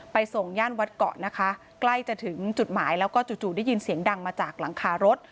ส่งย่านวัดเกาะนะคะใกล้จะถึงจุดหมายแล้วก็จู่ได้ยินเสียงดังมาจากหลังคารถ